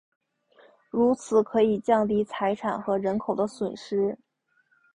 如此可以降低财产和人口的损失。